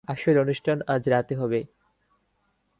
আসল অনুষ্ঠান আজ রাতে হবে।